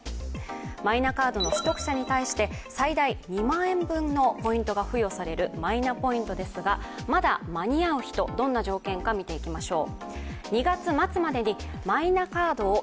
マイナカードの取得者に対して最大２万円分のポイントが付与されるマイナポイントですがまだ間に合う人、どんな条件か見ていきましょう。